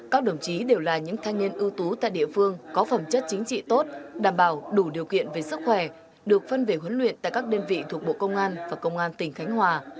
các đồng chí đều là những thanh niên ưu tú tại địa phương có phẩm chất chính trị tốt đảm bảo đủ điều kiện về sức khỏe được phân về huấn luyện tại các đơn vị thuộc bộ công an và công an tỉnh khánh hòa